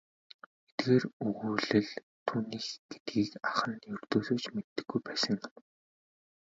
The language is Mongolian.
Эдгээр өгүүлэл түүнийх гэдгийг ах нь ердөөсөө ч мэддэггүй байсан юм.